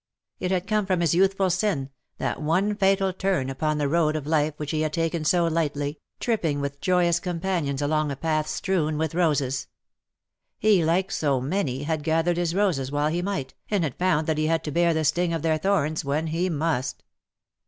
It had come from his youthful sin, that one fatal turn upon the road "who knows not CIRCE 'f' 245 of life "which he had taken so lightly, trippiDg with joyous companions along a path strewn with roses. He, like so many, had gathered his roses while he might, and had found that he had to bear the sting of their thorns when he must.